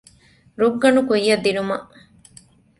ރުއްގަނޑު ކުއްޔަށް ދިނުމަށް